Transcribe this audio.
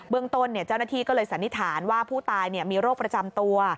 เรื่องต้นเจ้าหน้าที่ก็เลยสันนิษฐานว่าผู้ตายมีโรคประจำตัว